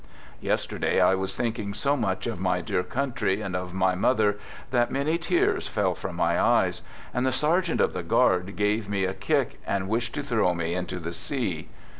Yesterday I was thinking so much of my dear THE GOOD SOLDIER" n country and of my mother that many tears fell from my eyes, and the sergeant of the guard gave me a kick and wished to throw me into the sea.